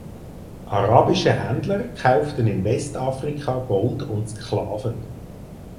Arabische Händler kauften in Westafrika Gold und Sklaven.